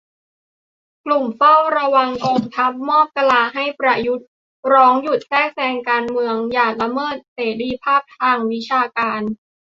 กลุ่มเฝ้าระวังกองทัพ มอบกะลาให้ประยุทธ ร้องหยุดแทรกแซงการเมือง อย่าละเมิดเสรีภาพทางวิชาการ